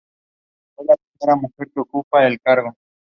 Es la primera mujer en ocupar el cargo.